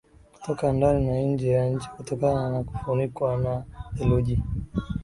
kutoka ndani na nje ya nchi kutokana na kufunikwa na theluji